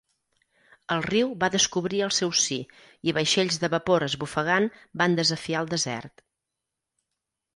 El riu va descobrir el seu si, i vaixells de vapor esbufegant van desafiar el desert.